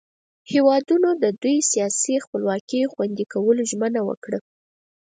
هیوادونو د دوئ سیاسي خپلواکي خوندي کولو ژمنه وکړه.